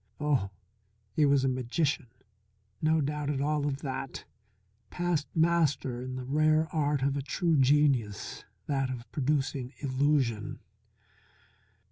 Oh, he was a magician, no doubt at all of that! Past master in the rare art of a true genius, that of producing illusion.